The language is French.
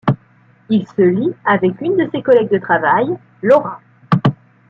Il se lie avec une de ses collègues de travail, Laura.